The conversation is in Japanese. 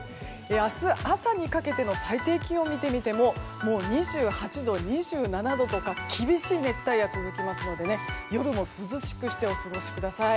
明日朝にかけての最低気温を見てみても２８度、２７度とか厳しい熱帯夜が続きますので夜も涼しくしてお過ごしください。